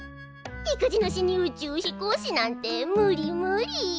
いくじなしに宇宙飛行士なんて無理無理！